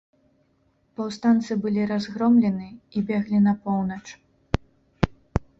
Паўстанцы былі разгромлены і беглі на поўнач.